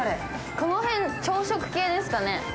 この辺、朝食系ですかね